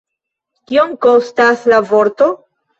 Kiom kostas la vorto?